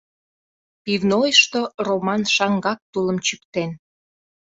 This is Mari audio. Пивнойышто Роман шаҥгак тулым чӱктен.